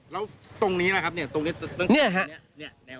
แล้วตรงนี้ล่ะครับตรงนี้ตรงนี้แนวนี้อะไร